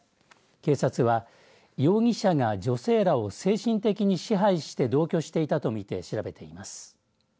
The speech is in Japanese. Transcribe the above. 警察は容疑者が女性らを精神的に支配して同居していたと見て調べています。